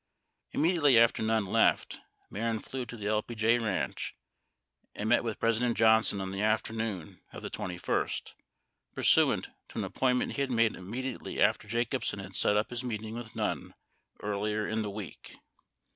Ini mediately after Nunn left, Mehren flew to the LBJ Ranch and met with President Johnson on the afternoon of the 21st, pursuant to an appointment that, he made immediately after Jacobsen had set up his meeting with Nunn earlier in the week.